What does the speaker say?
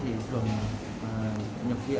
thủy phương ở cái vùng lũ